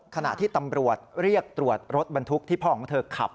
ขณะที่ตำรวจเรียกตรวจรถบรรทุกที่พ่อของเธอขับ